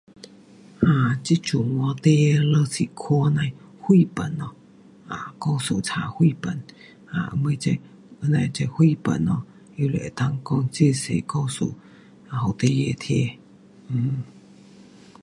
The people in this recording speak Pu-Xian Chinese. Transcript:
啊，这阵 um 孩儿全部是看这样的绘本，故事书绘本，啊，我们在，这样这绘本咯全部能够看很多故事给孩儿听。um